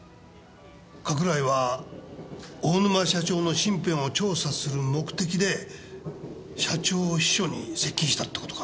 加倉井は大沼社長の身辺を調査する目的で社長秘書に接近したって事か？